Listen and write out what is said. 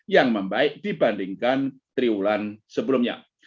yang membaik dibandingkan triwulan sebelumnya